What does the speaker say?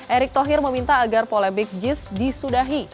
erick thohir meminta agar polemik jis disudahi